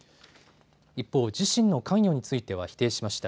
一方、自身の関与については否定しました。